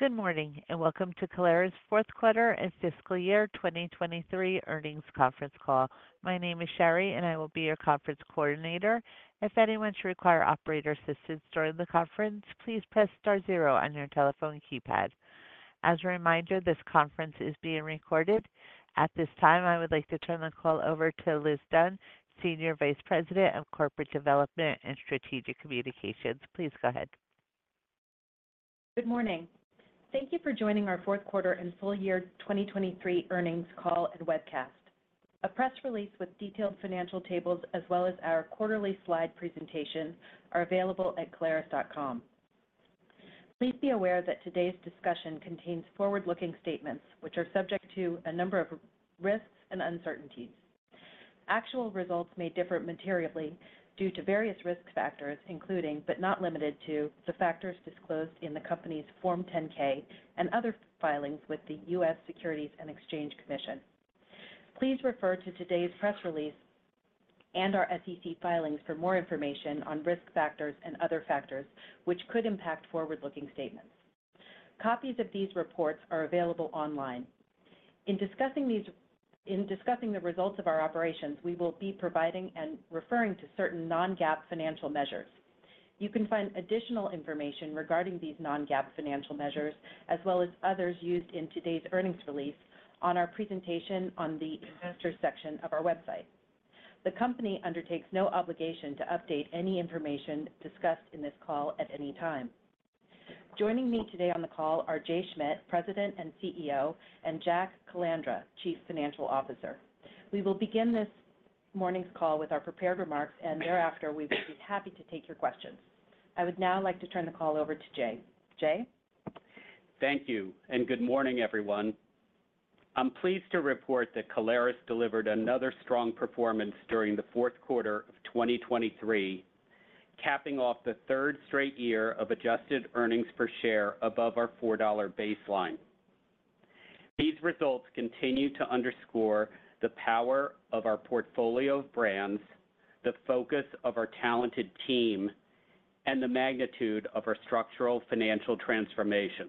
Good morning, and welcome to Caleres' fourth quarter and fiscal year 2023 earnings conference call. My name is Sherry, and I will be your conference coordinator. If anyone should require operator assistance during the conference, please press star zero on your telephone keypad. As a reminder, this conference is being recorded. At this time, I would like to turn the call over to Liz Dunn, Senior Vice President of Corporate Development and Strategic Communications. Please go ahead. Good morning. Thank you for joining our fourth quarter and full year 2023 earnings call and webcast. A press release with detailed financial tables, as well as our quarterly slide presentation, are available at caleres.com. Please be aware that today's discussion contains forward-looking statements which are subject to a number of risks and uncertainties. Actual results may differ materially due to various risk factors, including, but not limited to, the factors disclosed in the company's Form 10-K and other filings with the US Securities and Exchange Commission. Please refer to today's press release and our SEC filings for more information on risk factors and other factors which could impact forward-looking statements. Copies of these reports are available online. In discussing the results of our operations, we will be providing and referring to certain non-GAAP financial measures. You can find additional information regarding these non-GAAP financial measures, as well as others used in today's earnings release on our presentation on the Investor section of our website. The company undertakes no obligation to update any information discussed in this call at any time. Joining me today on the call are Jay Schmidt, President and CEO, and Jack Calandra, Chief Financial Officer. We will begin this morning's call with our prepared remarks, and thereafter, we will be happy to take your questions. I would now like to turn the call over to Jay. Jay? Thank you, and good morning, everyone. I'm pleased to report that Caleres delivered another strong performance during the fourth quarter of 2023, capping off the third straight year of adjusted earnings per share above our $4 baseline. These results continue to underscore the power of our portfolio of brands, the focus of our talented team, and the magnitude of our structural financial transformation.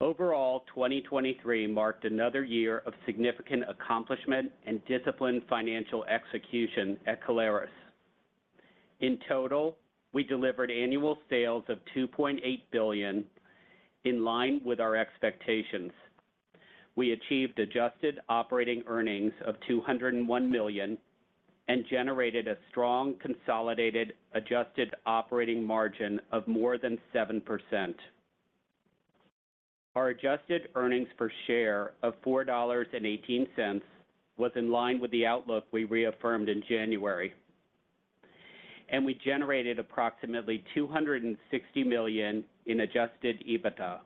Overall, 2023 marked another year of significant accomplishment and disciplined financial execution at Caleres. In total, we delivered annual sales of $2.8 billion, in line with our expectations. We achieved adjusted operating earnings of $201 million and generated a strong consolidated adjusted operating margin of more than 7%. Our adjusted earnings per share of $4.18 was in line with the outlook we reaffirmed in January, and we generated approximately $260 million in adjusted EBITDA.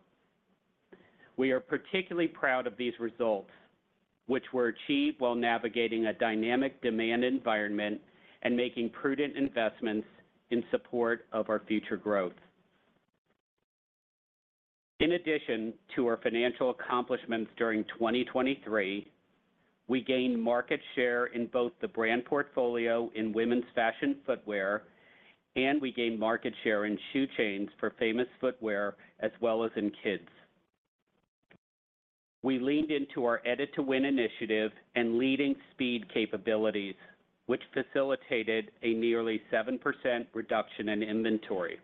We are particularly proud of these results, which were achieved while navigating a dynamic demand environment and making prudent investments in support of our future growth. In addition to our financial accomplishments during 2023, we gained market share in both the brand portfolio in women's fashion footwear, and we gained market share in shoe chains for Famous Footwear as well as in kids. We leaned into our Edit to Win initiative and leading speed capabilities, which facilitated a nearly 7% reduction in inventory.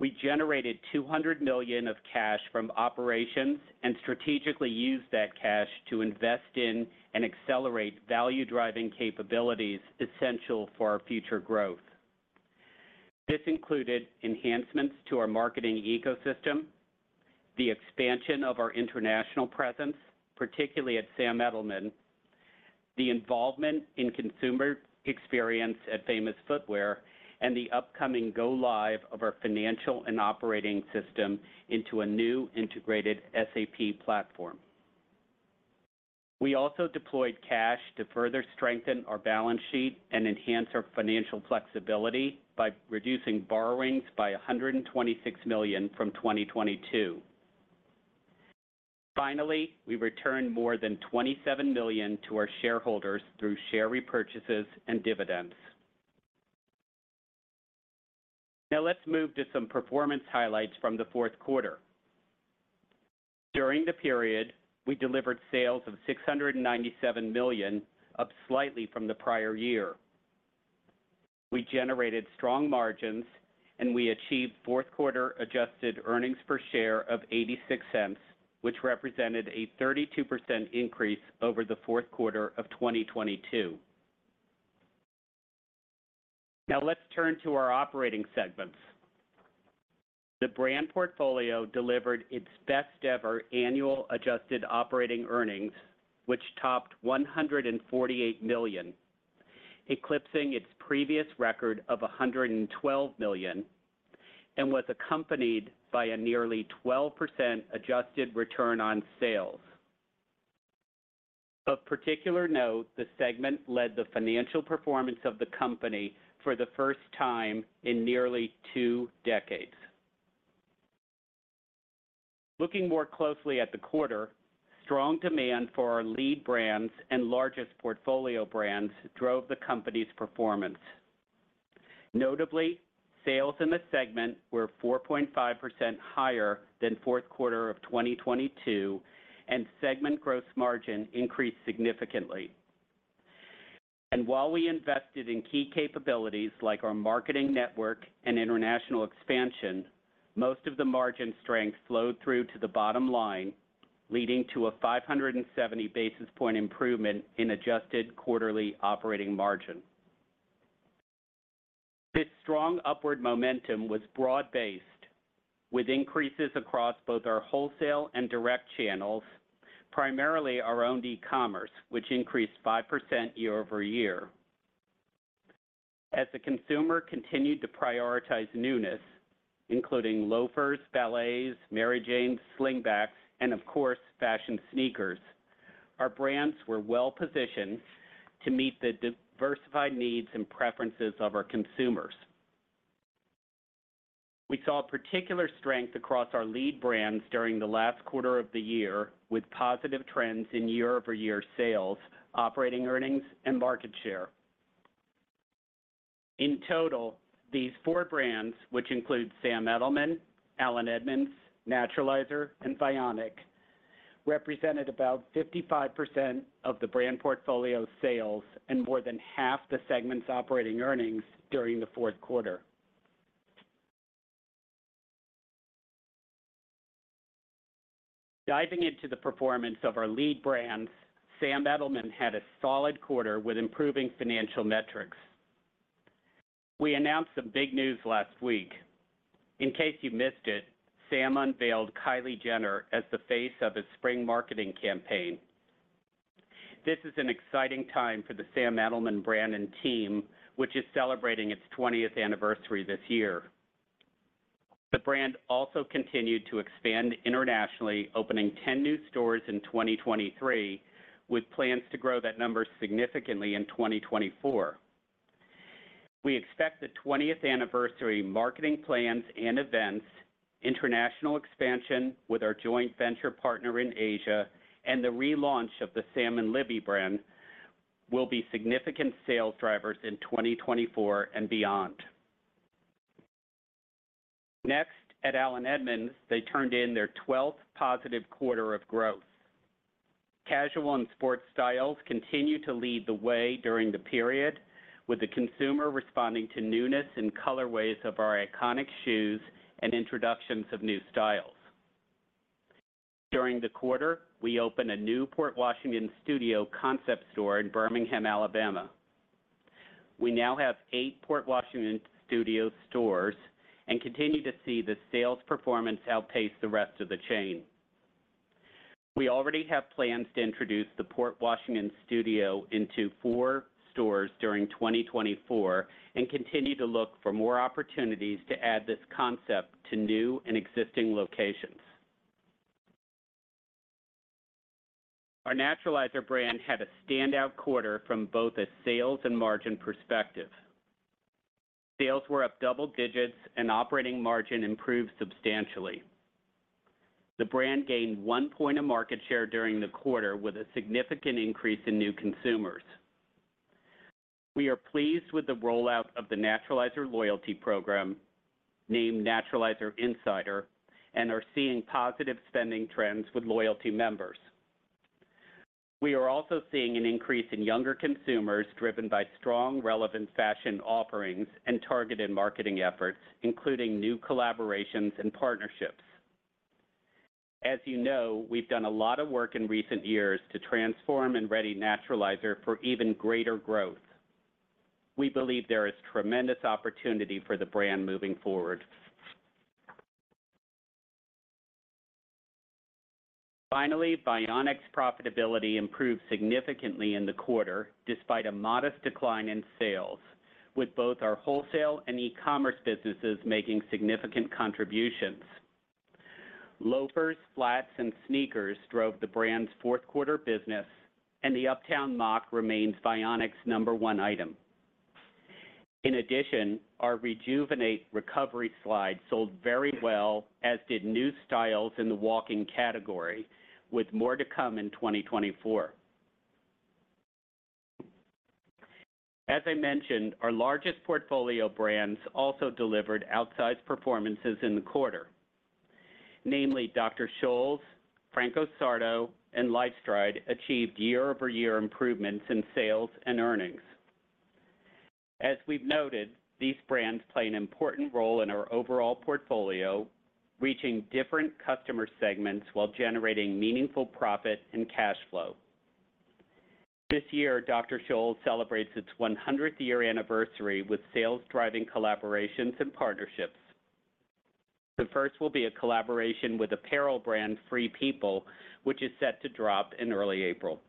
We generated $200 million of cash from operations and strategically used that cash to invest in and accelerate value-driving capabilities essential for our future growth. This included enhancements to our marketing ecosystem, the expansion of our international presence, particularly at Sam Edelman, the involvement in consumer experience at Famous Footwear, and the upcoming go live of our financial and operating system into a new integrated SAP platform. We also deployed cash to further strengthen our balance sheet and enhance our financial flexibility by reducing borrowings by $126 million from 2022. Finally, we returned more than $27 million to our shareholders through share repurchases and dividends. Now, let's move to some performance highlights from the fourth quarter. During the period, we delivered sales of $697 million, up slightly from the prior year. We generated strong margins, and we achieved fourth quarter adjusted earnings per share of $0.86, which represented a 32% increase over the fourth quarter of 2022. Now let's turn to our operating segments. The brand portfolio delivered its best ever annual adjusted operating earnings, which topped $148 million, eclipsing its previous record of $112 million, and was accompanied by a nearly 12% adjusted return on sales. Of particular note, the segment led the financial performance of the company for the first time in nearly two decades.... Looking more closely at the quarter, strong demand for our lead brands and largest portfolio brands drove the company's performance. Notably, sales in this segment were 4.5% higher than fourth quarter of 2022, and segment gross margin increased significantly. While we invested in key capabilities like our marketing network and international expansion, most of the margin strength flowed through to the bottom line, leading to a 570 basis point improvement in adjusted quarterly operating margin. This strong upward momentum was broad-based, with increases across both our wholesale and direct channels, primarily our own e-commerce, which increased 5% year-over-year. As the consumer continued to prioritize newness, including loafers, ballets, Mary Janes, slingbacks, and of course, fashion sneakers, our brands were well-positioned to meet the diversified needs and preferences of our consumers. We saw particular strength across our lead brands during the last quarter of the year, with positive trends in year-over-year sales, operating earnings, and market share. In total, these four brands, which include Sam Edelman, Allen Edmonds, Naturalizer, and Vionic, represented about 55% of the brand portfolio sales and more than half the segment's operating earnings during the fourth quarter. Diving into the performance of our lead brands, Sam Edelman had a solid quarter with improving financial metrics. We announced some big news last week. In case you missed it, Sam unveiled Kylie Jenner as the face of his spring marketing campaign. This is an exciting time for the Sam Edelman brand and team, which is celebrating its 20th anniversary this year. The brand also continued to expand internationally, opening 10 new stores in 2023, with plans to grow that number significantly in 2024. We expect the 20th anniversary marketing plans and events, international expansion with our joint venture partner in Asia, and the relaunch of the Sam & Libby brand will be significant sales drivers in 2024 and beyond. Next, at Allen Edmonds, they turned in their 12th positive quarter of growth. Casual and sports styles continued to lead the way during the period, with the consumer responding to newness and colorways of our iconic shoes and introductions of new styles. During the quarter, we opened a new Port Washington Studio concept store in Birmingham, Alabama. We now have eight Port Washington Studio stores and continue to see the sales performance outpace the rest of the chain. We already have plans to introduce the Port Washington Studio into four stores during 2024 and continue to look for more opportunities to add this concept to new and existing locations. Our Naturalizer brand had a standout quarter from both a sales and margin perspective. Sales were up double digits and operating margin improved substantially. The brand gained one point of market share during the quarter with a significant increase in new consumers. We are pleased with the rollout of the Naturalizer loyalty program, named Naturalizer Insider, and are seeing positive spending trends with loyalty members. We are also seeing an increase in younger consumers driven by strong, relevant fashion offerings and targeted marketing efforts, including new collaborations and partnerships. As you know, we've done a lot of work in recent years to transform and ready Naturalizer for even greater growth. We believe there is tremendous opportunity for the brand moving forward. Finally, Vionic's profitability improved significantly in the quarter, despite a modest decline in sales, with both our wholesale and e-commerce businesses making significant contributions. Loafers, flats, and sneakers drove the brand's fourth quarter business, and the Uptown Moc remains Vionic's number one item. In addition, our Rejuvenate recovery slide sold very well, as did new styles in the walking category, with more to come in 2024. As I mentioned, our largest portfolio brands also delivered outsized performances in the quarter. Namely, Dr. Scholl's, Franco Sarto, and LifeStride achieved year-over-year improvements in sales and earnings. As we've noted, these brands play an important role in our overall portfolio, reaching different customer segments while generating meaningful profit and cash flow. This year, Dr. Scholl's celebrates its 100th anniversary with sales-driving collaborations and partnerships. The first will be a collaboration with apparel brand Free People, which is set to drop in early April.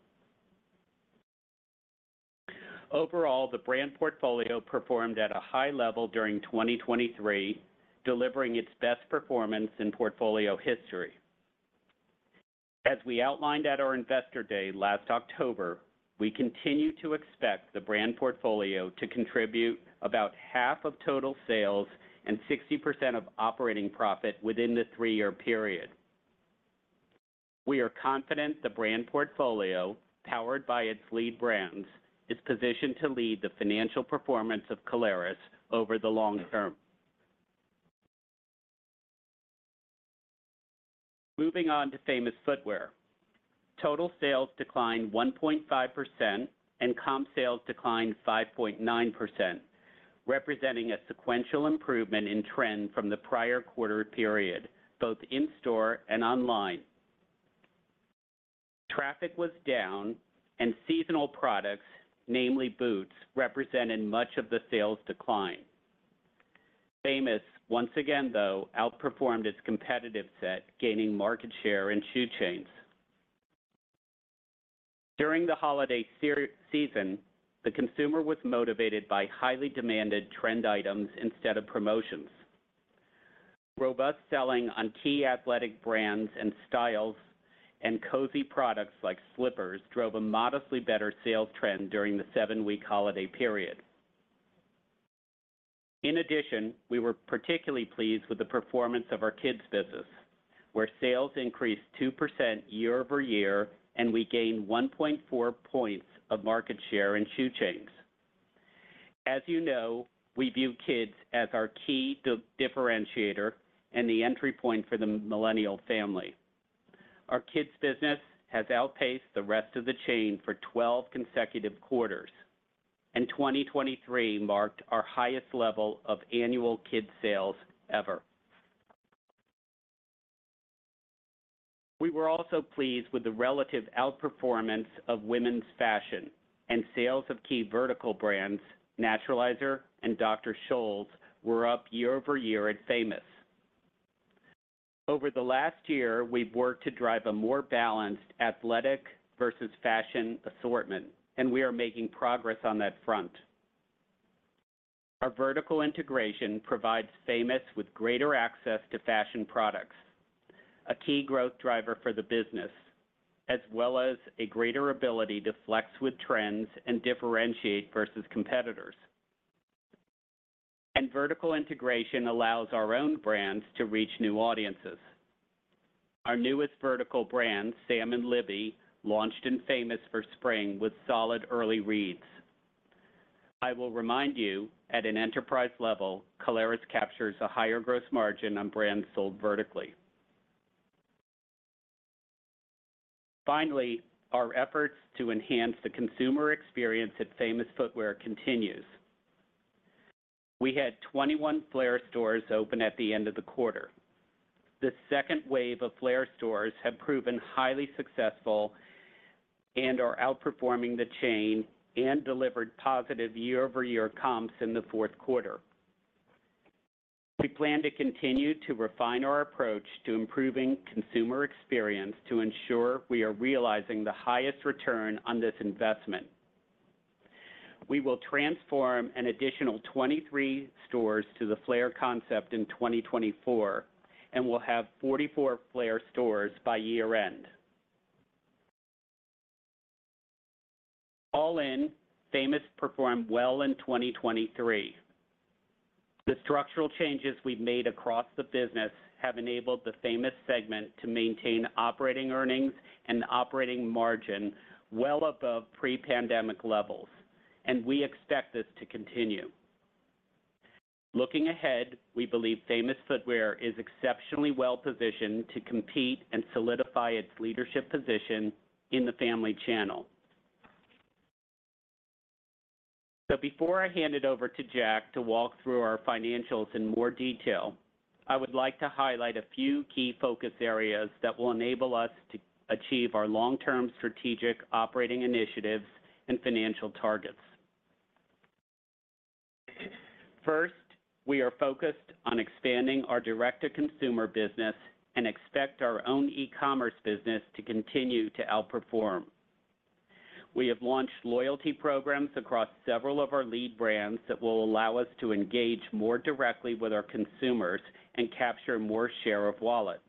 Overall, the brand portfolio performed at a high level during 2023, delivering its best performance in portfolio history.... As we outlined at our Investor Day last October, we continue to expect the brand portfolio to contribute about half of total sales and 60% of operating profit within the three-year period. We are confident the brand portfolio, powered by its lead brands, is positioned to lead the financial performance of Caleres over the long term. Moving on to Famous Footwear. Total sales declined 1.5%, and comp sales declined 5.9%, representing a sequential improvement in trend from the prior quarter period, both in-store and online. Traffic was down, and seasonal products, namely boots, represented much of the sales decline. Famous, once again, though, outperformed its competitive set, gaining market share in shoe chains. During the holiday season, the consumer was motivated by highly demanded trend items instead of promotions. Robust selling on key athletic brands and styles and cozy products like slippers drove a modestly better sales trend during the 7-week holiday period. In addition, we were particularly pleased with the performance of our kids' business, where sales increased 2% year-over-year, and we gained 1.4 points of market share in shoe chains. As you know, we view kids as our key differentiator and the entry point for the millennial family. Our kids' business has outpaced the rest of the chain for 12 consecutive quarters, and 2023 marked our highest level of annual kids' sales ever. We were also pleased with the relative outperformance of women's fashion, and sales of key vertical brands, Naturalizer and Dr. Scholl's, were up year over year at Famous. Over the last year, we've worked to drive a more balanced athletic versus fashion assortment, and we are making progress on that front. Our vertical integration provides Famous with greater access to fashion products, a key growth driver for the business, as well as a greater ability to flex with trends and differentiate versus competitors. Vertical integration allows our own brands to reach new audiences. Our newest vertical brand, Sam & Libby, launched in Famous for spring with solid early reads. I will remind you, at an enterprise level, Caleres captures a higher gross margin on brands sold vertically. Finally, our efforts to enhance the consumer experience at Famous Footwear continues. We had 21 Flair stores open at the end of the quarter. The second wave of Flair stores have proven highly successful and are outperforming the chain and delivered positive year-over-year comps in the fourth quarter. We plan to continue to refine our approach to improving consumer experience to ensure we are realizing the highest return on this investment. We will transform an additional 23 stores to the Flair concept in 2024, and we'll have 44 Flair stores by year-end. All in, Famous performed well in 2023. The structural changes we've made across the business have enabled the Famous segment to maintain operating earnings and operating margin well above pre-pandemic levels, and we expect this to continue. Looking ahead, we believe Famous Footwear is exceptionally well-positioned to compete and solidify its leadership position in the family channel. Before I hand it over to Jack to walk through our financials in more detail, I would like to highlight a few key focus areas that will enable us to achieve our long-term strategic operating initiatives and financial targets. First, we are focused on expanding our direct-to-consumer business and expect our own e-commerce business to continue to outperform. We have launched loyalty programs across several of our lead brands that will allow us to engage more directly with our consumers and capture more share of wallet.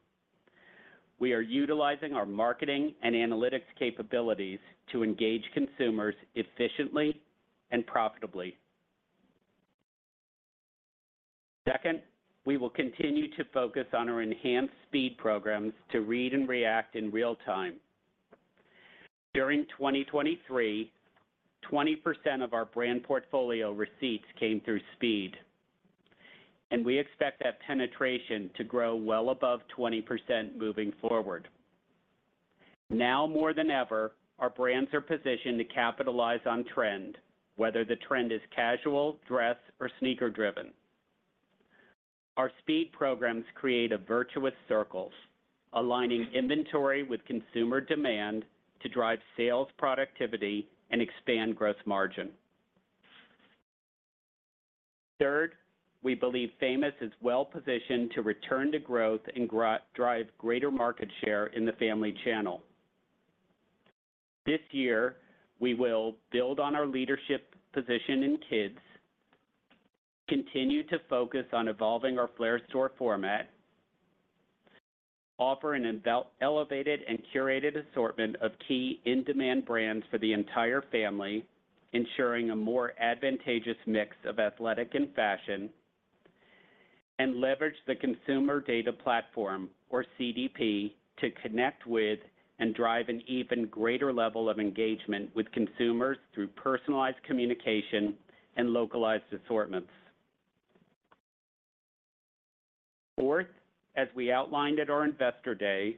We are utilizing our marketing and analytics capabilities to engage consumers efficiently and profitably. Second, we will continue to focus on our enhanced speed programs to read and react in real time. During 2023, 20% of our brand portfolio receipts came through speed, and we expect that penetration to grow well above 20% moving forward. Now more than ever, our brands are positioned to capitalize on trend, whether the trend is casual, dress, or sneaker-driven. Our speed programs create a virtuous circles, aligning inventory with consumer demand to drive sales productivity and expand gross margin. Third, we believe Famous is well-positioned to return to growth and drive greater market share in the family channel. This year, we will build on our leadership position in kids, continue to focus on evolving our Flair store format, offer an elevated and curated assortment of key in-demand brands for the entire family, ensuring a more advantageous mix of athletic and fashion, and leverage the consumer data platform, or CDP, to connect with and drive an even greater level of engagement with consumers through personalized communication and localized assortments. Fourth, as we outlined at our Investor Day,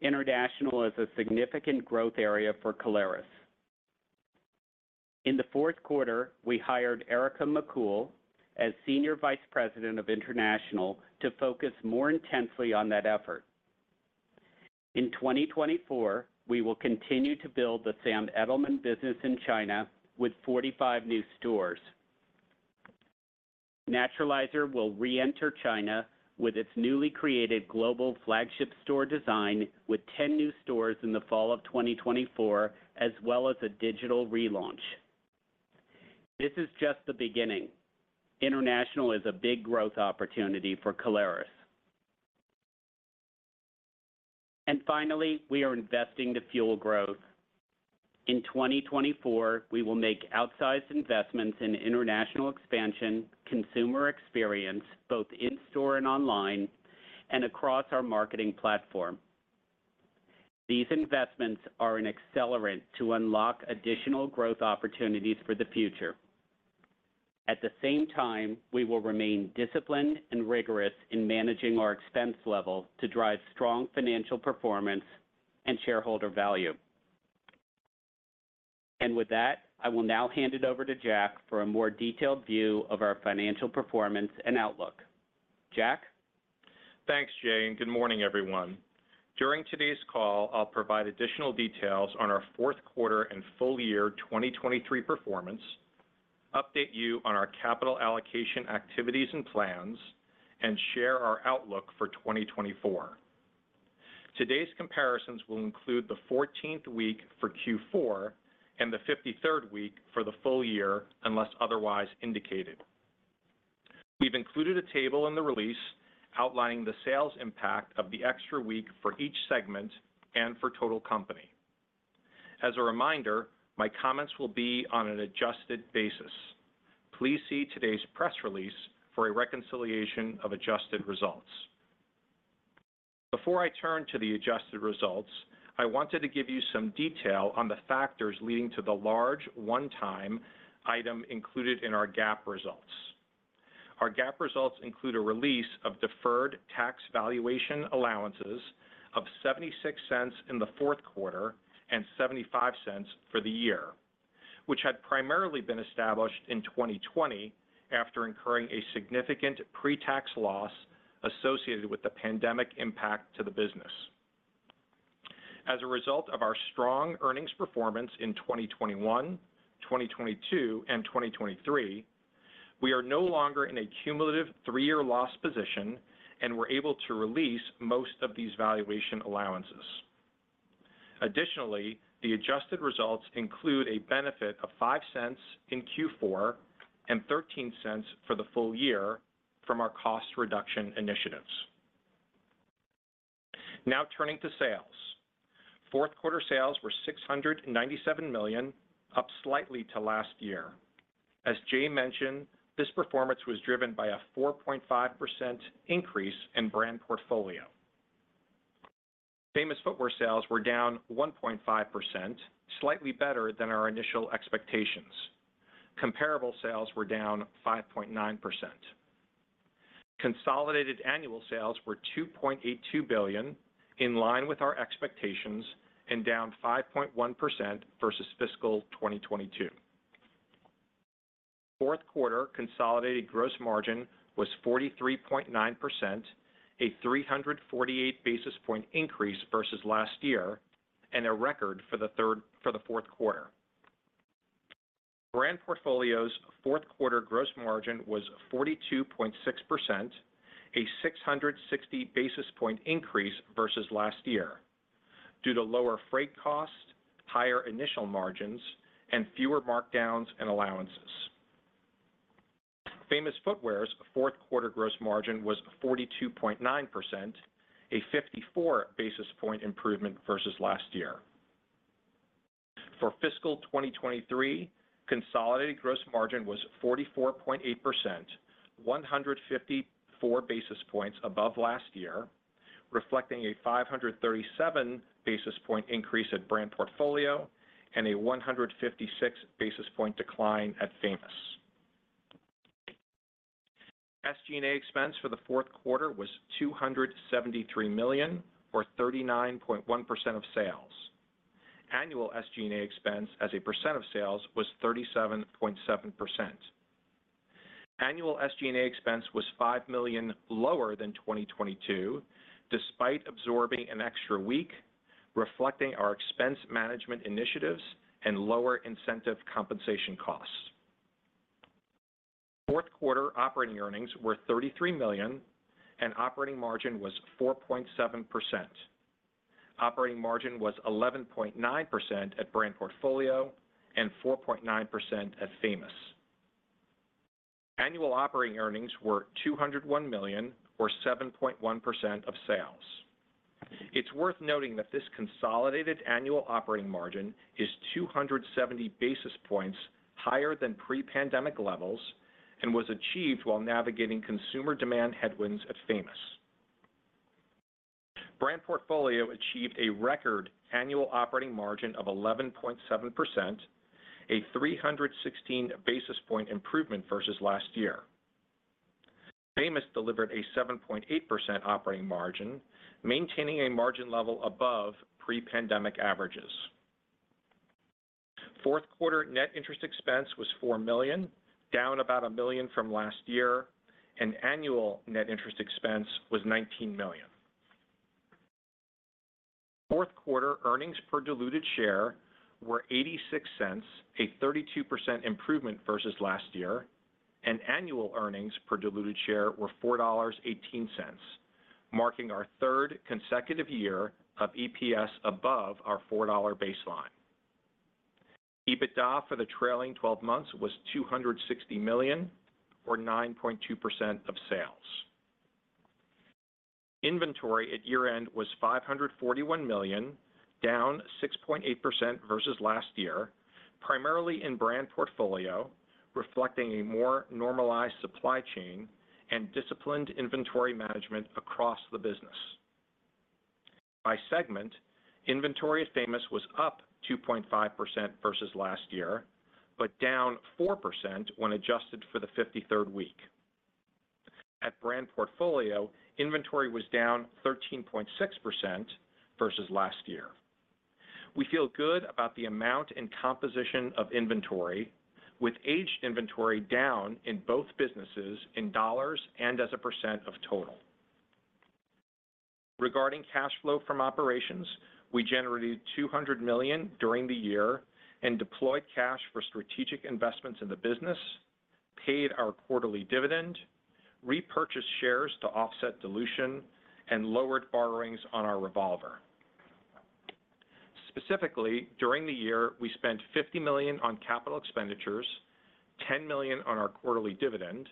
international is a significant growth area for Caleres. In the fourth quarter, we hired Erica McCool as Senior Vice President of International to focus more intensely on that effort. In 2024, we will continue to build the Sam Edelman business in China with 45 new stores. Naturalizer will reenter China with its newly created global flagship store design, with 10 new stores in the fall of 2024, as well as a digital relaunch. This is just the beginning. International is a big growth opportunity for Caleres. Finally, we are investing to fuel growth. In 2024, we will make outsized investments in international expansion, consumer experience, both in-store and online, and across our marketing platform. These investments are an accelerant to unlock additional growth opportunities for the future. At the same time, we will remain disciplined and rigorous in managing our expense level to drive strong financial performance and shareholder value. With that, I will now hand it over to Jack for a more detailed view of our financial performance and outlook. Jack? Thanks, Jay, and good morning, everyone. During today's call, I'll provide additional details on our fourth quarter and full year 2023 performance, update you on our capital allocation activities and plans, and share our outlook for 2024. Today's comparisons will include the 14th week for Q4 and the 53rd week for the full year, unless otherwise indicated. We've included a table in the release outlining the sales impact of the extra week for each segment and for total company. As a reminder, my comments will be on an adjusted basis. Please see today's press release for a reconciliation of adjusted results. Before I turn to the adjusted results, I wanted to give you some detail on the factors leading to the large one-time item included in our GAAP results. Our GAAP results include a release of deferred tax valuation allowances of $0.76 in the fourth quarter and $0.75 for the year, which had primarily been established in 2020, after incurring a significant pre-tax loss associated with the pandemic impact to the business. As a result of our strong earnings performance in 2021, 2022, and 2023, we are no longer in a cumulative three-year loss position and we're able to release most of these valuation allowances. Additionally, the adjusted results include a benefit of $0.05 in Q4 and $0.13 for the full year from our cost reduction initiatives. Now turning to sales. Fourth quarter sales were $697 million, up slightly to last year. As Jay mentioned, this performance was driven by a 4.5% increase in brand portfolio. Famous Footwear sales were down 1.5%, slightly better than our initial expectations. Comparable sales were down 5.9%. Consolidated annual sales were $2.82 billion, in line with our expectations, and down 5.1% versus fiscal 2022. Fourth quarter consolidated gross margin was 43.9%, a 348 basis point increase versus last year, and a record for the fourth quarter. Brand Portfolio's fourth quarter gross margin was 42.6%, a 660 basis point increase versus last year, due to lower freight costs, higher initial margins, and fewer markdowns and allowances. Famous Footwear's fourth quarter gross margin was 42.9%, a 54 basis point improvement versus last year. For fiscal 2023, consolidated gross margin was 44.8%, 154 basis points above last year, reflecting a 537 basis point increase at Brand Portfolio and a 156 basis point decline at Famous. SG&A expense for the fourth quarter was $273 million, or 39.1% of sales. Annual SG&A expense as a percent of sales was 37.7%. Annual SG&A expense was $5 million lower than 2022, despite absorbing an extra week, reflecting our expense management initiatives and lower incentive compensation costs. Fourth quarter operating earnings were $33 million, and operating margin was 4.7%. Operating margin was 11.9% at Brand Portfolio and 4.9% at Famous. Annual operating earnings were $201 million, or 7.1% of sales. It's worth noting that this consolidated annual operating margin is 270 basis points higher than pre-pandemic levels and was achieved while navigating consumer demand headwinds at Famous. Brand Portfolio achieved a record annual operating margin of 11.7%, a 316 basis point improvement versus last year. Famous delivered a 7.8% operating margin, maintaining a margin level above pre-pandemic averages. Fourth quarter net interest expense was $4 million, down about $1 million from last year, and annual net interest expense was $19 million. Fourth quarter earnings per diluted share were $0.86, a 32% improvement versus last year, and annual earnings per diluted share were $4.18, marking our third consecutive year of EPS above our $4 baseline. EBITDA for the trailing twelve months was $260 million, or 9.2% of sales. Inventory at year-end was $541 million, down 6.8% versus last year, primarily in Brand Portfolio, reflecting a more normalized supply chain and disciplined inventory management across the business. By segment, inventory at Famous was up 2.5% versus last year, but down 4% when adjusted for the 53rd week. At Brand Portfolio, inventory was down 13.6% versus last year. We feel good about the amount and composition of inventory, with aged inventory down in both businesses in dollars and as a percent of total. Regarding cash flow from operations, we generated $200 million during the year and deployed cash for strategic investments in the business, paid our quarterly dividend, repurchased shares to offset dilution, and lowered borrowings on our revolver. Specifically, during the year, we spent $50 million on capital expenditures, $10 million on our quarterly dividend,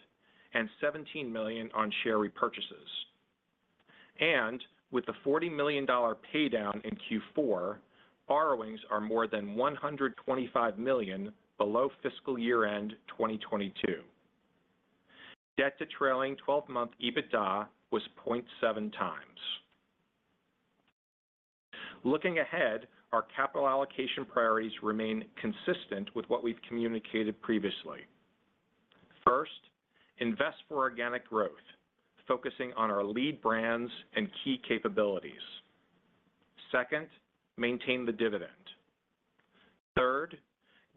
and $17 million on share repurchases. With the $40 million dollar pay down in Q4, borrowings are more than $125 million below fiscal year-end 2022. Debt to trailing twelve-month EBITDA was 0.7 times. Looking ahead, our capital allocation priorities remain consistent with what we've communicated previously. First, invest for organic growth, focusing on our lead brands and key capabilities. Second, maintain the dividend. Third,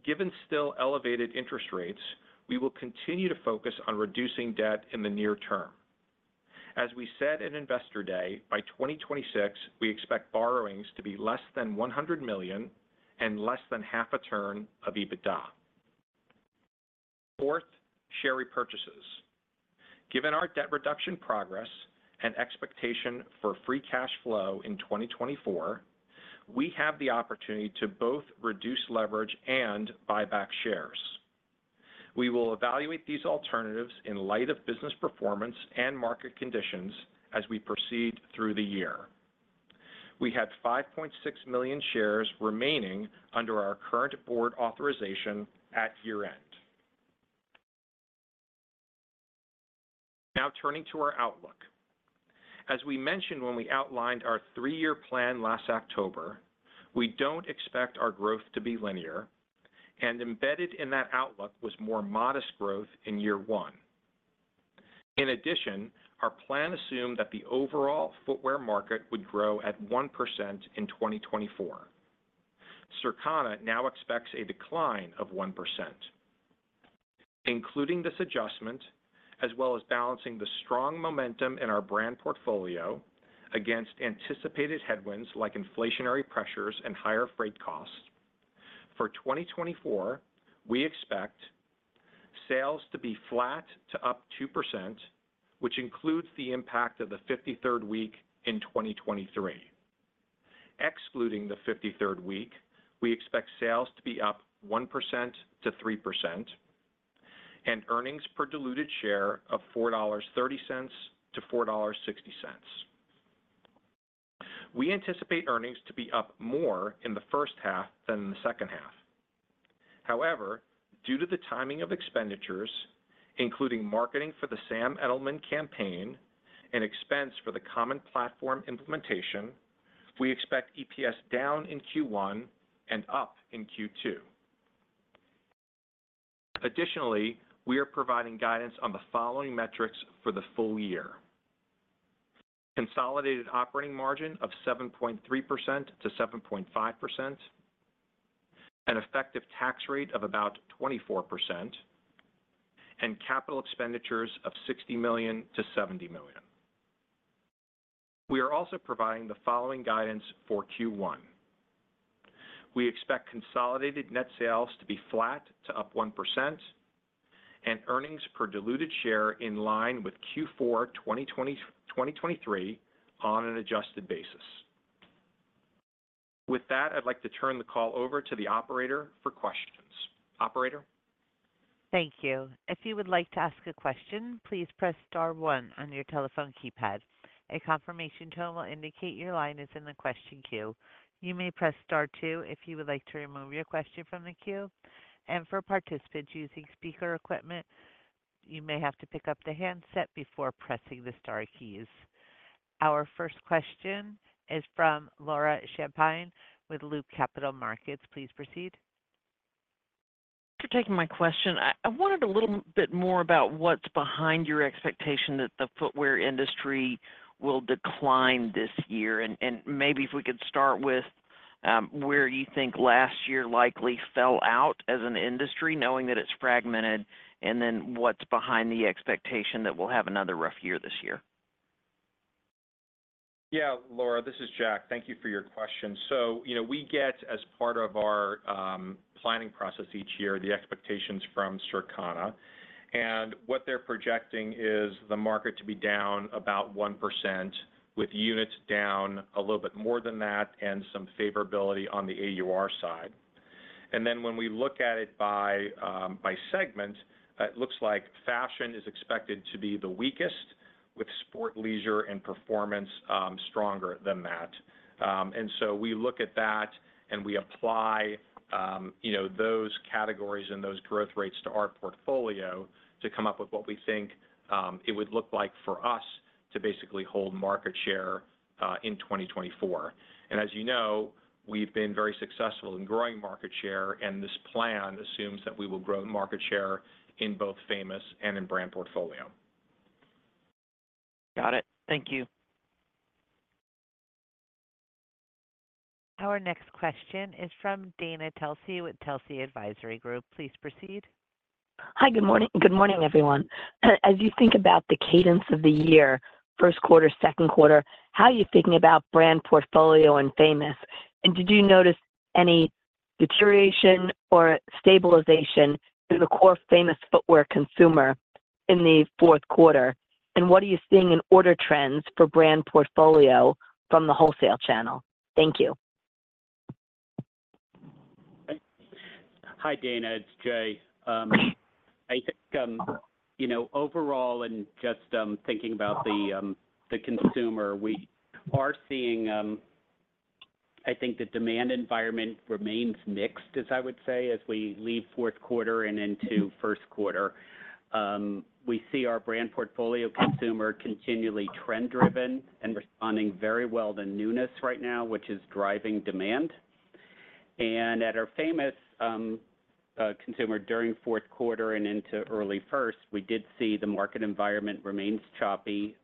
given still elevated interest rates, we will continue to focus on reducing debt in the near term. As we said in Investor Day, by 2026, we expect borrowings to be less than $100 million and less than half a turn of EBITDA. Fourth, share repurchases. Given our debt reduction progress and expectation for free cash flow in 2024, we have the opportunity to both reduce leverage and buy back shares. We will evaluate these alternatives in light of business performance and market conditions as we proceed through the year. We had 5.6 million shares remaining under our current board authorization at year-end. Now turning to our outlook. As we mentioned when we outlined our 3-year plan last October, we don't expect our growth to be linear, and embedded in that outlook was more modest growth in year one. In addition, our plan assumed that the overall footwear market would grow at 1% in 2024. Circana now expects a decline of 1%. Including this adjustment, as well as balancing the strong momentum in our brand portfolio against anticipated headwinds like inflationary pressures and higher freight costs, for 2024, we expect sales to be flat to up 2%, which includes the impact of the 53rd week in 2023. Excluding the 53rd week, we expect sales to be up 1%-3% and earnings per diluted share of $4.30-$4.60. We anticipate earnings to be up more in the first half than in the second half. However, due to the timing of expenditures, including marketing for the Sam Edelman campaign and expense for the common platform implementation, we expect EPS down in Q1 and up in Q2. Additionally, we are providing guidance on the following metrics for the full year. Consolidated operating margin of 7.3%-7.5%, an effective tax rate of about 24%, and capital expenditures of $60 million-$70 million.... We are also providing the following guidance for Q1: We expect consolidated net sales to be flat to up 1%, and earnings per diluted share in line with Q4 2023 on an adjusted basis. With that, I'd like to turn the call over to the operator for questions. Operator? Thank you. If you would like to ask a question, please press star one on your telephone keypad. A confirmation tone will indicate your line is in the question queue. You may press star two if you would like to remove your question from the queue. And for participants using speaker equipment, you may have to pick up the handset before pressing the star keys. Our first question is from Laura Champine with Loop Capital Markets. Please proceed. Thank you for taking my question. I wondered a little bit more about what's behind your expectation that the footwear industry will decline this year, and maybe if we could start with where you think last year likely fell out as an industry, knowing that it's fragmented, and then what's behind the expectation that we'll have another rough year this year? Yeah, Laura, this is Jack. Thank you for your question. So, you know, we get, as part of our planning process each year, the expectations from Circana. And what they're projecting is the market to be down about 1%, with units down a little bit more than that, and some favorability on the AUR side. And then when we look at it by segment, it looks like fashion is expected to be the weakest, with sport, leisure, and performance stronger than that. And so we look at that, and we apply, you know, those categories and those growth rates to our portfolio to come up with what we think it would look like for us to basically hold market share in 2024. As you know, we've been very successful in growing market share, and this plan assumes that we will grow market share in both Famous and in brand portfolio. Got it. Thank you. Our next question is from Dana Telsey with Telsey Advisory Group. Please proceed. Hi, good morning. Good morning, everyone. As you think about the cadence of the year, first quarter, second quarter, how are you thinking about brand portfolio and Famous? And did you notice any deterioration or stabilization in the core Famous Footwear consumer in the fourth quarter? And what are you seeing in order trends for brand portfolio from the wholesale channel? Thank you. Hi, Dana, it's Jay. I think, you know, overall and just thinking about the consumer, we are seeing. I think the demand environment remains mixed, as I would say, as we leave fourth quarter and into first quarter. We see our brand portfolio consumer continually trend driven and responding very well to newness right now, which is driving demand. And at our Famous consumer during fourth quarter and into early first, we did see the market environment remains choppy.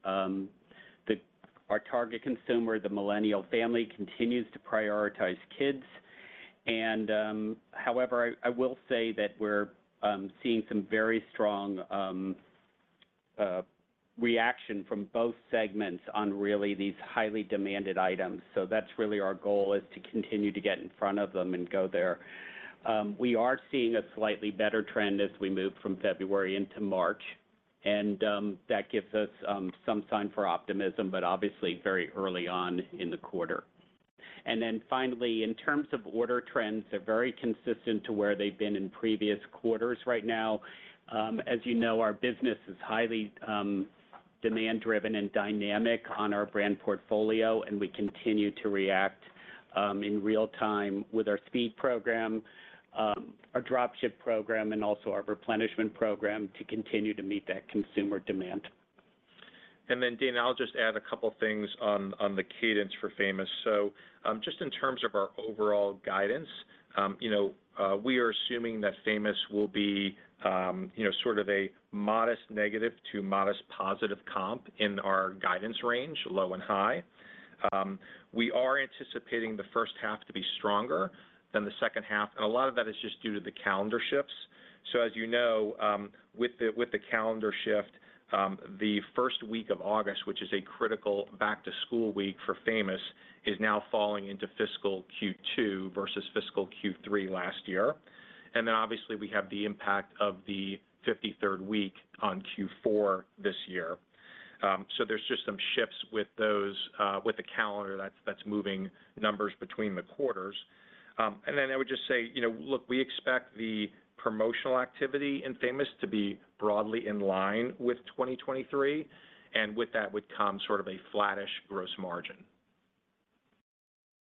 Our target consumer, the millennial family, continues to prioritize kids. And however, I will say that we're seeing some very strong reaction from both segments on really these highly demanded items. So that's really our goal is to continue to get in front of them and go there. We are seeing a slightly better trend as we move from February into March, and that gives us some sign for optimism, but obviously very early on in the quarter. And then finally, in terms of order trends, they're very consistent to where they've been in previous quarters right now. As you know, our business is highly demand driven and dynamic on our brand portfolio, and we continue to react in real time with our speed program, our drop ship program, and also our replenishment program to continue to meet that consumer demand. And then, Dana, I'll just add a couple of things on the cadence for Famous. So, just in terms of our overall guidance, you know, we are assuming that Famous will be, you know, sort of a modest negative to modest positive comp in our guidance range, low and high. We are anticipating the first half to be stronger than the second half, and a lot of that is just due to the calendar shifts. So as you know, with the calendar shift, the first week of August, which is a critical back to school week for Famous, is now falling into fiscal Q2 versus fiscal Q3 last year. And then obviously, we have the impact of the 53rd week on Q4 this year. So there's just some shifts with those. with the calendar that's moving numbers between the quarters. And then I would just say, you know, look, we expect the promotional activity in Famous to be broadly in line with 2023, and with that would come sort of a flattish gross margin.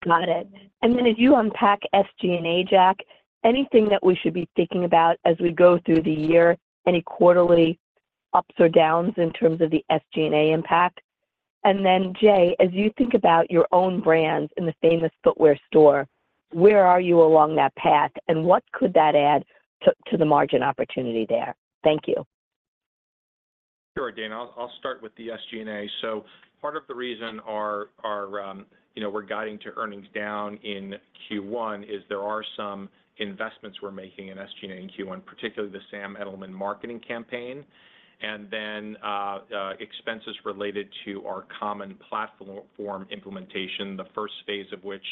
Got it. And then as you unpack SG&A, Jack, anything that we should be thinking about as we go through the year, any quarterly ups or downs in terms of the SG&A impact? And then, Jay, as you think about your own brands in the Famous Footwear store, where are you along that path, and what could that add to, to the margin opportunity there? Thank you. Sure, Dana. I'll start with the SG&A. So part of the reason our you know, we're guiding to earnings down in Q1 is there are some investments we're making in SG&A in Q1, particularly the Sam Edelman marketing campaign, and then expenses related to our common platform implementation, the first phase of which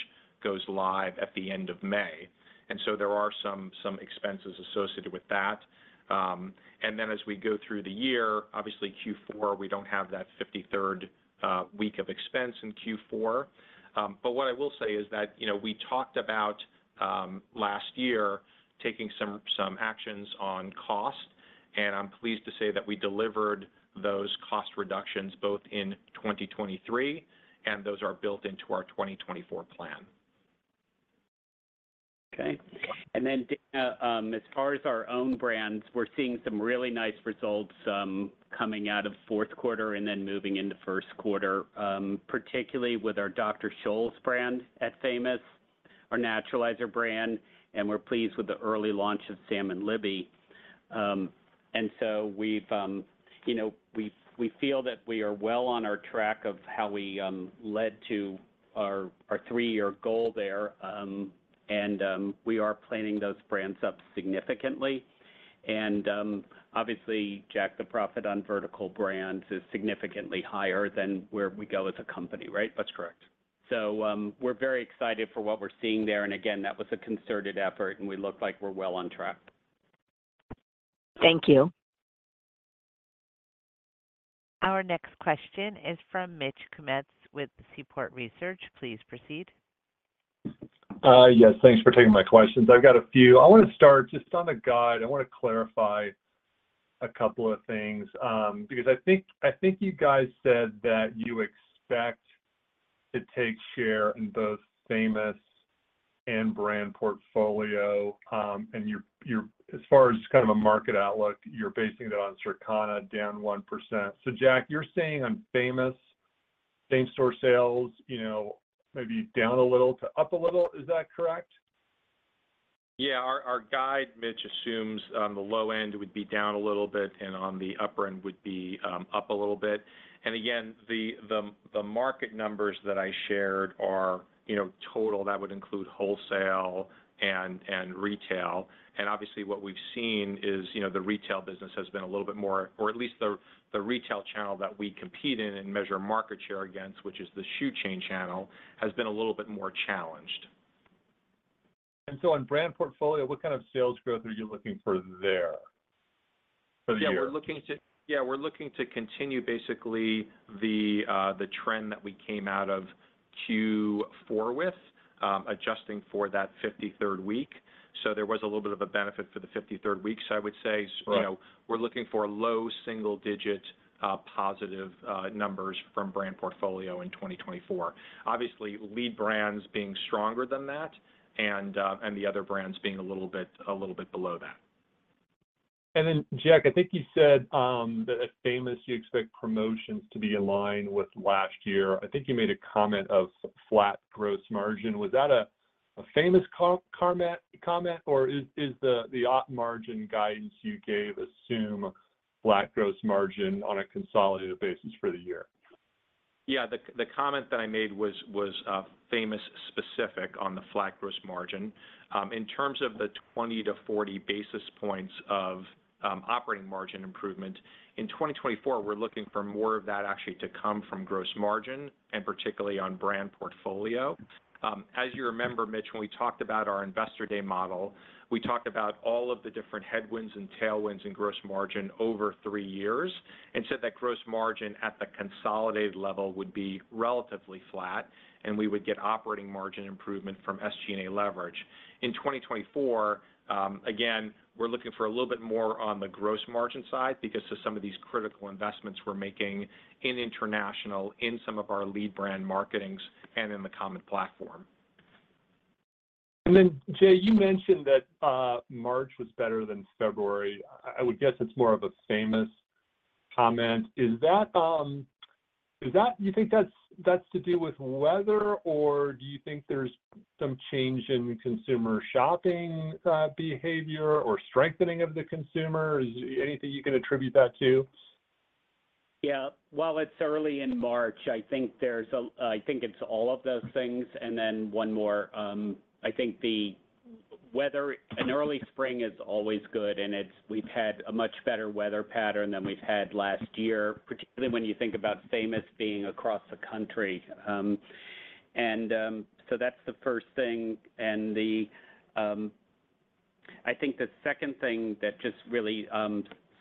goes live at the end of May. And so there are some expenses associated with that. And then as we go through the year, obviously, Q4, we don't have that 53rd week of expense in Q4. But what I will say is that, you know, we talked about last year, taking some actions on cost, and I'm pleased to say that we delivered those cost reductions both in 2023, and those are built into our 2024 plan. Okay. And then, as far as our own brands, we're seeing some really nice results, coming out of fourth quarter and then moving into first quarter, particularly with our Dr. Scholl's brand at Famous, our Naturalizer brand, and we're pleased with the early launch of Sam & Libby. And so we've, you know, we feel that we are well on our track of how we led to our three-year goal there. And we are planning those brands up significantly. And obviously, Jack, the profit on vertical brand is significantly higher than where we go as a company, right? That's correct. We're very excited for what we're seeing there, and again, that was a concerted effort, and we look like we're well on track. Thank you. Our next question is from Mitch Kummetz with Seaport Research Partners. Please proceed. Yes, thanks for taking my questions. I've got a few. I wanna start just on the guide. I wanna clarify a couple of things, because I think you guys said that you expect to take share in both Famous and brand portfolio, and you're basing it on Circana down 1%. So, Jack, you're saying on Famous, same store sales, you know, maybe down a little to up a little, is that correct? Yeah, our guide, Mitch, assumes on the low end, it would be down a little bit, and on the upper end would be up a little bit. And again, the market numbers that I shared are, you know, total. That would include wholesale and retail. And obviously, what we've seen is, you know, the retail business has been a little bit more... Or at least the retail channel that we compete in and measure market share against, which is the shoe chain channel, has been a little bit more challenged. And so, on brand portfolio, what kind of sales growth are you looking for there for the year? Yeah, we're looking to continue basically the trend that we came out of Q4 with, adjusting for that 53rd week. So there was a little bit of a benefit for the 53rd week, so I would say- Right... you know, we're looking for a low single-digit positive numbers from brand portfolio in 2024. Obviously, lead brands being stronger than that, and, and the other brands being a little bit, a little bit below that. Then, Jack, I think you said that at Famous, you expect promotions to be in line with last year. I think you made a comment of flat gross margin. Was that a Famous comment, or is the op margin guidance you gave assume flat gross margin on a consolidated basis for the year? Yeah, the comment that I made was Famous specific on the flat gross margin. In terms of the 20-40 basis points of operating margin improvement, in 2024, we're looking for more of that actually to come from gross margin and particularly on brand portfolio. As you remember, Mitch, when we talked about our Investor Day model, we talked about all of the different headwinds and tailwinds in gross margin over three years, and said that gross margin at the consolidated level would be relatively flat, and we would get operating margin improvement from SG&A leverage. In 2024, again, we're looking for a little bit more on the gross margin side because of some of these critical investments we're making in international, in some of our lead brand marketings, and in the common platform. And then, Jay, you mentioned that March was better than February. I would guess it's more of a Famous comment. Is that you think that's to do with weather, or do you think there's some change in consumer shopping behavior or strengthening of the consumer? Is anything you can attribute that to? Yeah. While it's early in March, I think it's all of those things, and then one more. I think the weather. An early spring is always good, and we've had a much better weather pattern than we've had last year, particularly when you think about Famous being across the country. And so that's the first thing. And the second thing that just really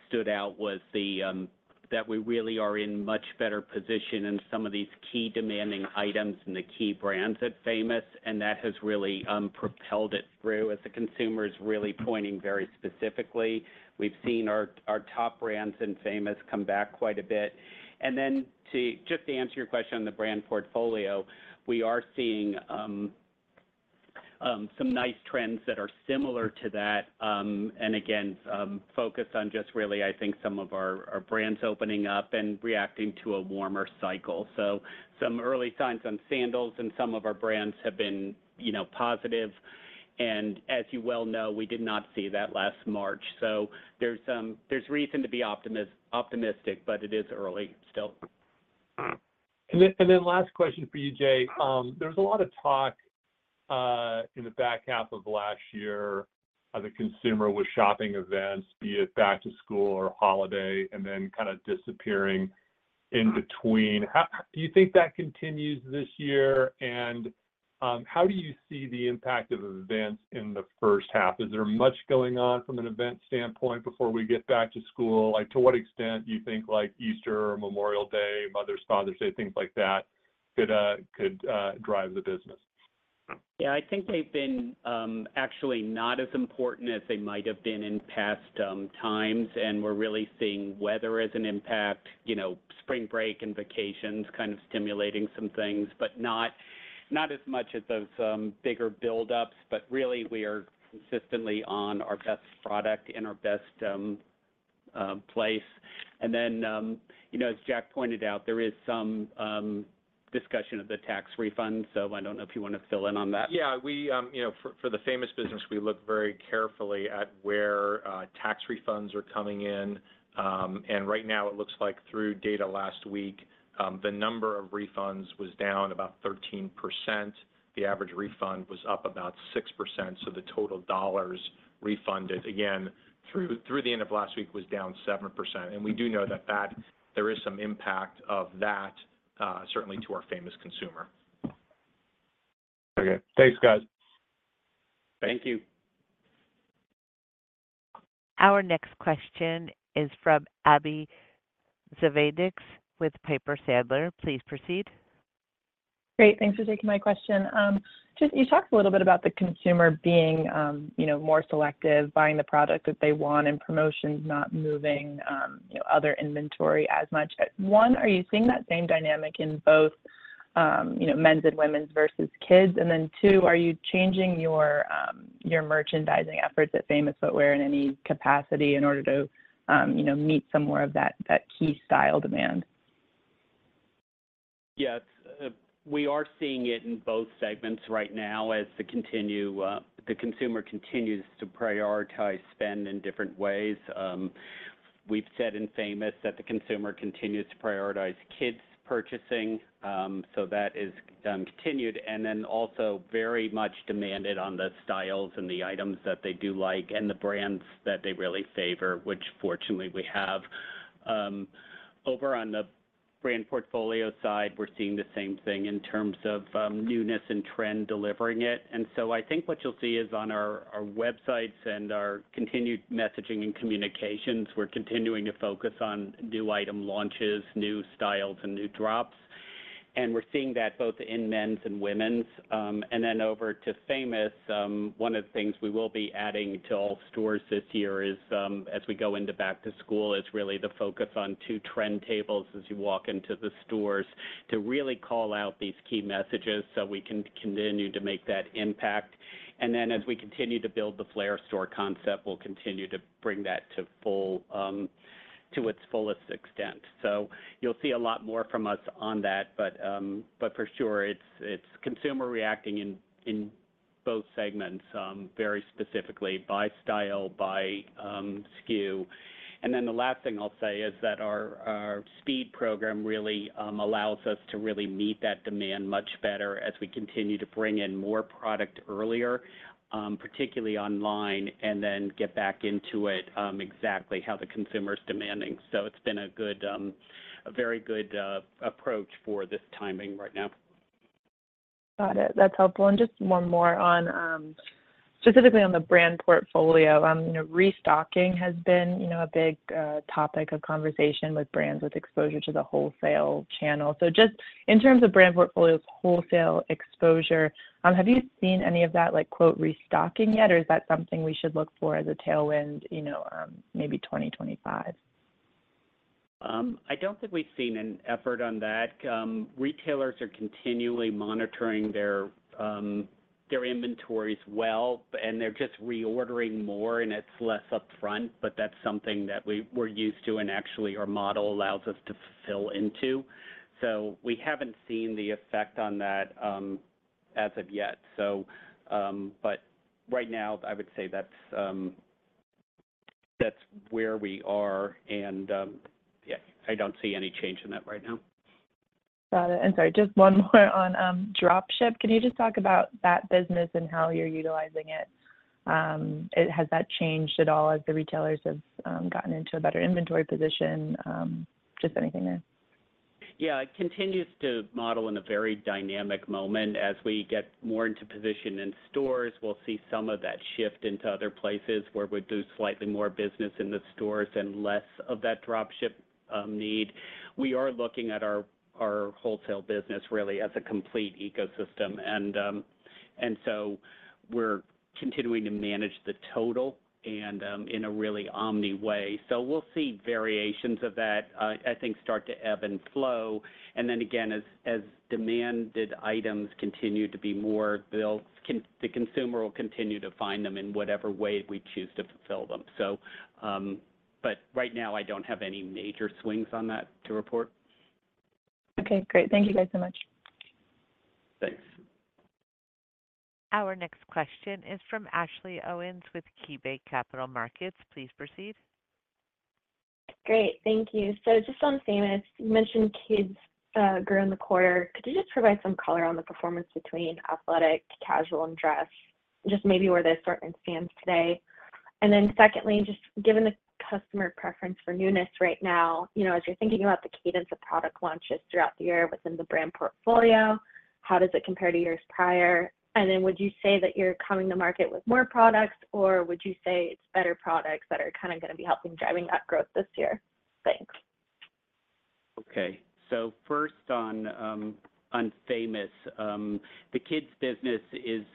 stood out was that we really are in much better position in some of these key demanding items and the key brands at Famous, and that has really propelled it through. As the consumer is really pointing very specifically, we've seen our top brands in Famous come back quite a bit. And then just to answer your question on the brand portfolio, we are seeing some nice trends that are similar to that, and again, focused on just really, I think, some of our brands opening up and reacting to a warmer cycle. So some early signs on sandals and some of our brands have been, you know, positive, and as you well know, we did not see that last March. So there's reason to be optimistic, but it is early still. And then last question for you, Jay. There was a lot of talk in the back half of last year how the consumer was shopping events, be it back to school or holiday, and then kind of disappearing in between. How do you think that continues this year? And how do you see the impact of events in the first half? Is there much going on from an event standpoint before we get back to school? Like, to what extent do you think like Easter or Memorial Day, Mother's Day, Father's Day, things like that, could drive the business? Yeah, I think they've been actually not as important as they might have been in past times, and we're really seeing weather as an impact, you know, spring break and vacations kind of stimulating some things, but not as much as those bigger buildups. But really, we are consistently on our best product and our best place. And then, you know, as Jack pointed out, there is some discussion of the tax refund, so I don't know if you want to fill in on that. Yeah, we, you know, for, for the Famous business, we look very carefully at where tax refunds are coming in. And right now, it looks like through data last week, the number of refunds was down about 13%. The average refund was up about 6%, so the total dollars refunded, again, through, through the end of last week, was down 7%. And we do know that there is some impact of that, certainly to our Famous consumer. Okay. Thanks, guys. Thank you. Our next question is from Abbie Zvejnieks with Piper Sandler. Please proceed. Great, thanks for taking my question. Just you talked a little bit about the consumer being, you know, more selective, buying the product that they want, and promotions not moving, you know, other inventory as much. One, are you seeing that same dynamic in both, you know, men's and women's versus kids? And then two, are you changing your merchandising efforts at Famous Footwear in any capacity in order to, you know, meet some more of that key style demand? Yes. We are seeing it in both segments right now as the consumer continues to prioritize spend in different ways. We've said in Famous that the consumer continues to prioritize kids purchasing. So that is continued, and then also very much demanded on the styles and the items that they do like and the brands that they really favor, which fortunately we have. Over on the brand portfolio side, we're seeing the same thing in terms of newness and trend delivering it. And so I think what you'll see is on our, our websites and our continued messaging and communications, we're continuing to focus on new item launches, new styles, and new drops, and we're seeing that both in men's and women's. And then over to Famous, one of the things we will be adding to all stores this year is, as we go into back to school, is really the focus on two trend tables as you walk into the stores, to really call out these key messages so we can continue to make that impact. And then, as we continue to build the Flair store concept, we'll continue to bring that to its fullest extent. So you'll see a lot more from us on that, but, but for sure, it's consumer reacting in both segments, very specifically by style, by SKU. And then the last thing I'll say is that our speed program really allows us to really meet that demand much better as we continue to bring in more product earlier, particularly online, and then get back into it exactly how the consumer's demanding. So it's been a good, a very good approach for this timing right now. Got it. That's helpful. And just one more on, specifically on the brand portfolio. You know, restocking has been, you know, a big, topic of conversation with brands with exposure to the wholesale channel. So just in terms of brand portfolio's wholesale exposure, have you seen any of that, like, quote, restocking yet, or is that something we should look for as a tailwind, you know, maybe 2025? I don't think we've seen an effort on that. Retailers are continually monitoring their inventories well, and they're just reordering more, and it's less upfront, but that's something that we're used to, and actually, our model allows us to fill into. So we haven't seen the effect on that, as of yet. So, but right now, I would say that's where we are, and, yeah, I don't see any change in that right now. Got it. Sorry, just one more on drop ship. Can you just talk about that business and how you're utilizing it? And has that changed at all as the retailers have gotten into a better inventory position? Just anything there. Yeah, it continues to model in a very dynamic moment. As we get more into position in stores, we'll see some of that shift into other places where we do slightly more business in the stores and less of that drop ship need. We are looking at our wholesale business really as a complete ecosystem, and so we're continuing to manage the total and in a really omni way. So we'll see variations of that, I think, start to ebb and flow. And then again, as demanded items continue to be more built, the consumer will continue to find them in whatever way we choose to fulfill them. So, but right now, I don't have any major swings on that to report.... Okay, great. Thank you guys so much. Thanks. Our next question is from Ashley Owens with KeyBanc Capital Markets. Please proceed. Great. Thank you. So just on Famous, you mentioned kids grew in the quarter. Could you just provide some color on the performance between athletic, casual, and dress? Just maybe where the assortment stands today. And then secondly, just given the customer preference for newness right now, you know, as you're thinking about the cadence of product launches throughout the year within the brand portfolio, how does it compare to years prior? And then would you say that you're coming to market with more products, or would you say it's better products that are kinda gonna be helping driving that growth this year? Thanks. Okay. So first on Famous, the kids business is,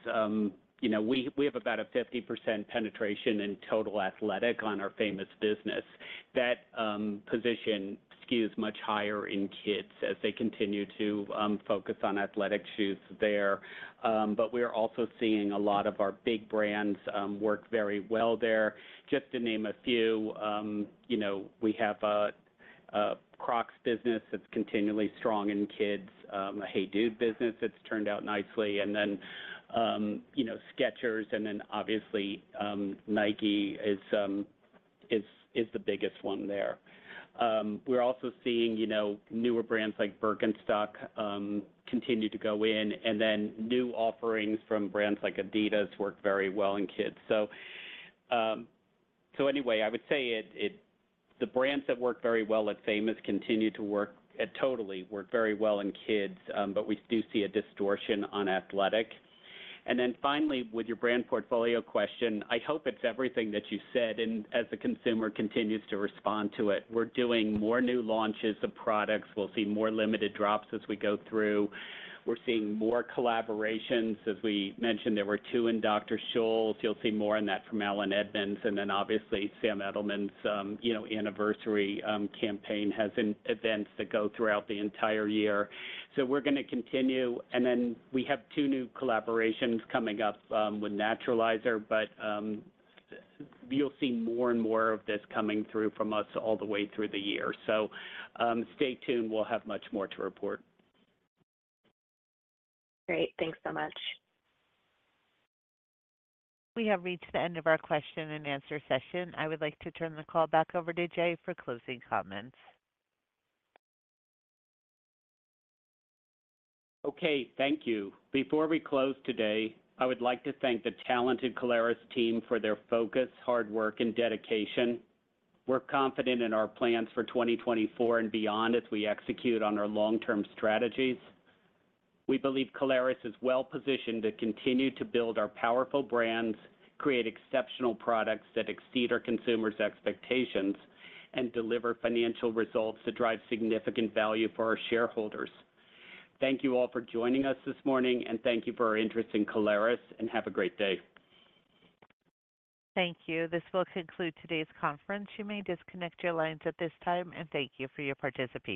you know, we have about a 50% penetration in total athletic on our Famous business. That position skews much higher in kids as they continue to focus on athletic shoes there. But we are also seeing a lot of our big brands work very well there. Just to name a few, you know, we have a Crocs business that's continually strong in kids. The HEYDUDE business that's turned out nicely, and then, you know, Skechers, and then obviously, Nike is the biggest one there. We're also seeing, you know, newer brands like Birkenstock continue to go in, and then new offerings from brands like Adidas work very well in kids. So, anyway, I would say the brands that work very well at Famous continue to work, totally work very well in kids, but we do see a distortion on athletic. And then finally, with your brand portfolio question, I hope it's everything that you said. And as the consumer continues to respond to it, we're doing more new launches of products. We'll see more limited drops as we go through. We're seeing more collaborations. As we mentioned, there were two in Dr. Scholl's. You'll see more on that from Allen Edmonds, and then obviously, Sam Edelman’s, you know, anniversary campaign has and events that go throughout the entire year. So we're gonna continue, and then we have two new collaborations coming up with Naturalizer. But, you'll see more and more of this coming through from us all the way through the year. So, stay tuned. We'll have much more to report. Great. Thanks so much. We have reached the end of our question-and-answer session. I would like to turn the call back over to Jay for closing comments. Okay. Thank you. Before we close today, I would like to thank the talented Caleres team for their focus, hard work, and dedication. We're confident in our plans for 2024 and beyond as we execute on our long-term strategies. We believe Caleres is well positioned to continue to build our powerful brands, create exceptional products that exceed our consumers' expectations, and deliver financial results that drive significant value for our shareholders. Thank you all for joining us this morning, and thank you for your interest in Caleres, and have a great day. Thank you. This will conclude today's conference. You may disconnect your lines at this time, and thank you for your participation.